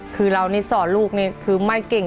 คือเรานี่สอนลูกนี่คือไม่เก่ง